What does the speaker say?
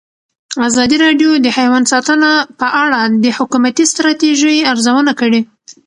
ازادي راډیو د حیوان ساتنه په اړه د حکومتي ستراتیژۍ ارزونه کړې.